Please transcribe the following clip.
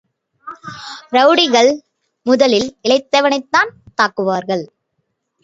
ரெளடிகள் முதலில் இளைத்தவனைத் தான் தாக்குவார்கள்.